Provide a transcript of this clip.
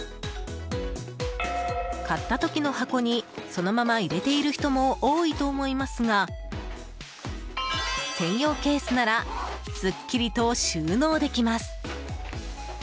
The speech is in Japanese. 買った時の箱にそのまま入れている人も多いと思いますが専用ケースならすっきりと収納できます。